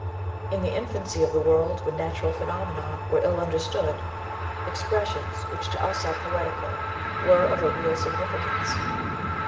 ^ In the infancy of the world, when natural phenomena were ill understood, expressions which to us are poetical were of a real significance.